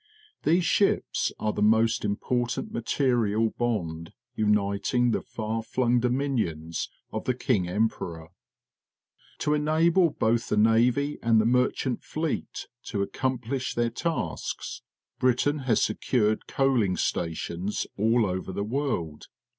These ships are the most important material bond uniting the far flung dominions of the King Emperor. To enable both the navy and the mer chant fleet to accomplish their tasks, Brit ain has secured coaling stations all over the world.